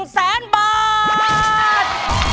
๑แสนบาท